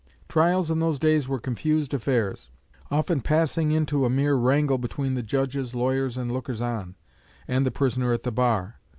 Trials in those days were confused affairs, often passing into a mere wrangle between the judges, lawyers, and lookers on, and the prisoner at the bar.